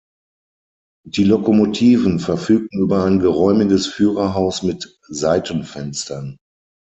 Die Lokomotiven verfügten über ein geräumiges Führerhaus mit Seitenfenstern.